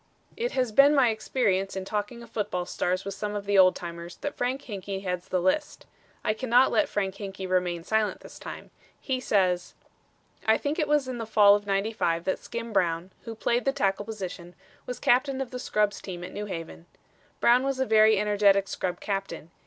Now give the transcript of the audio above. It has been my experience in talking of football stars with some of the old timers that Frank Hinkey heads the list. I cannot let Frank Hinkey remain silent this time. He says: "I think it was in the Fall of '95 that Skim Brown, who played the tackle position, was captain of the scrubs team at New Haven. Brown was a very energetic scrub captain.